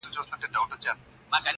سل ځله یې زموږ پر کچکولونو زهر وشیندل.!